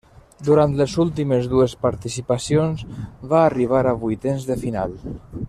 Durant les últimes dues participacions va arribar a vuitens de final.